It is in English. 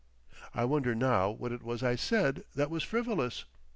I wonder now what it was I said that was "frivolous."